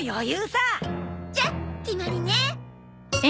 じゃ決まりね。